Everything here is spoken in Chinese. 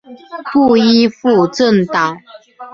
不依附政党！